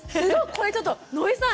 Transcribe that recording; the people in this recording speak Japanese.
これちょっと野井さん